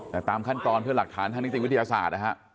แต่ตามขั้นตอนเพื่อหลักฐานทางนิติวิทยาศาสตร์นะฮะ